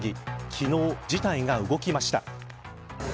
昨日、事態が動きました。